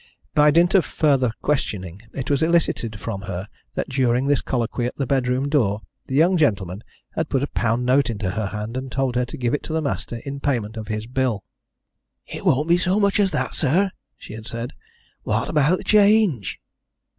By dint of further questioning, it was elicited from her that during this colloquy at the bedroom door the young gentleman had put a pound note into her hand, and told her to give it to her master in payment of his bill. "It won't be so much as that, sir," she had said. "What about the change?"